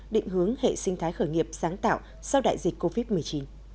định hướng hệ sinh thái khởi nghiệp sáng tạo sau đại dịch covid một mươi chín